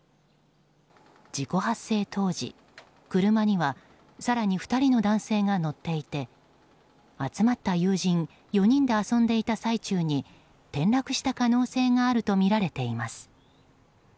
事故発生当時、車には更に２人の男性が乗っていて集まった友人４人で遊んでいた最中に転落した可能性があるとみられています。